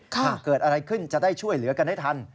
หากเกิดอะไรขึ้นจะได้ช่วยเหลือกันให้ทัน